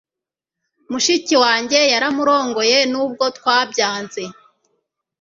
Mushiki wanjye yaramurongoye nubwo twabyanze.